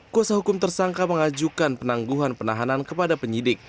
kuasa hukum tersangka mengajukan penangguhan penahanan kepada penyidik